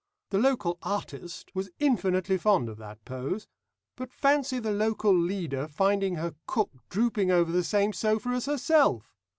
The local 'artist' was intensely fond of that pose. But fancy the local leader finding her cook drooping over the same sofa as herself!